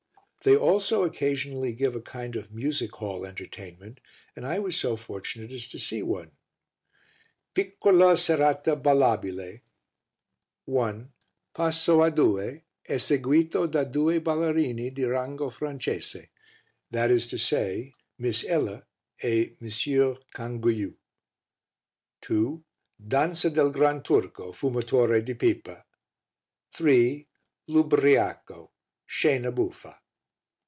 They also occasionally give a kind of music hall entertainment and I was so fortunate as to see one. PICCOLA SERATA BALLABILE 1. Passo a due eseguito da due ballerini di rango Francese, viz. Miss Ella e Monsieur Canguiu. 2. Dansa del Gran Turco, fumatore di pipa. 3. L'Ubbriaco. Scena buffa.